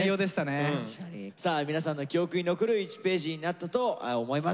さあ皆さんの記憶に残る１ページになったと思います。